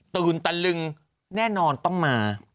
ตะลึงแน่นอนต้องมา